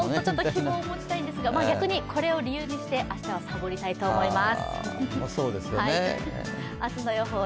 希望を持ちたいんですけど、逆にこれを理由にして、明日はサボりたいと思います。